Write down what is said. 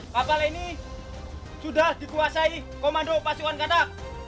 kapal ini sudah dikuasai komando pasukan katak